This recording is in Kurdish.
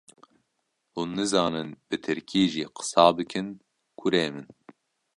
hûn nizanin bi Tirkî jî qisa bikin kurê min